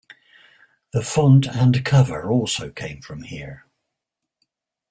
The font and cover also came from here.